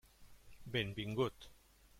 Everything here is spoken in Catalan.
Benvingut!